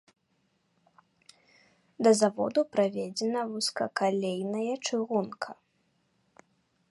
Да заводу праведзена вузкакалейная чыгунка.